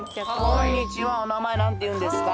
こんにちはお名前なんていうんですか？